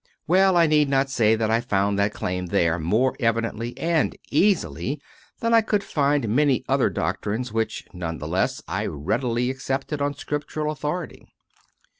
Well, I need not say that I found that claim there more evidently and easily than I could find many other doctrines which none the less I readily accepted on Scriptural authority.